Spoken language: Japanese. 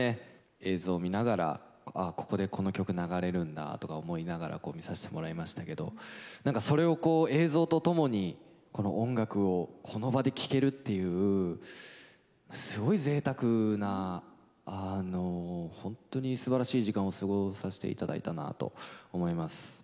映像を見ながらあぁここでこの曲流れるんだとか思いながら見させてもらいましたけど何かそれを映像と共にこの音楽をこの場で聴けるっていうすごいぜいたくな本当にすばらしい時間を過ごさせていただいたなと思います。